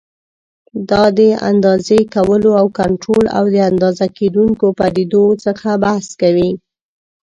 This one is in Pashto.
دا د اندازې کولو او کنټرول او د اندازه کېدونکو پدیدو څخه بحث کوي.